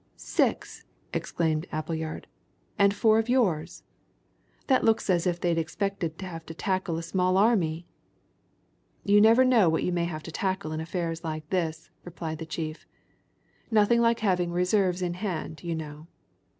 "Six!" exclaimed Appleyard. "And four of yours! That looks as if they expected to have to tackle a small army!" "You never know what you may have to tackle in affairs like this," replied the chief. "Nothing like having reserves in hand, you know.